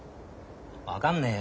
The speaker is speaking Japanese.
分かんねえよ。